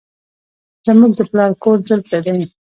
زموږ د پلار کور دلته دی